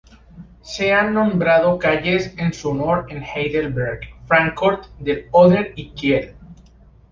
Se han nombrado calles en su honor en Heidelberg, Fráncfort del Óder y Kiel.